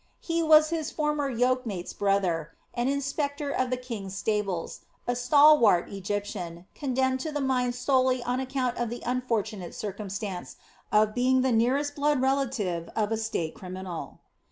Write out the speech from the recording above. He was his former yoke mate's brother, an inspector of the king's stables, a stalwart Egyptian, condemned to the mines solely on account of the unfortunate circumstance of being the nearest blood relative of a state criminal.